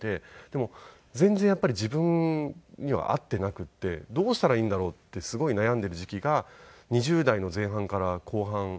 でも全然やっぱり自分には合っていなくてどうしたらいいんだろうってすごい悩んでいる時期が２０代の前半から後半にかけてあって。